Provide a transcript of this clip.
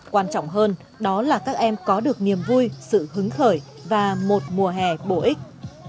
quan trọng hơn đó là các em có được niềm vui sự hứng khởi và một mùa hè bổ ích